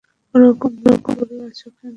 ওরকম মুখ করে আছো কেন?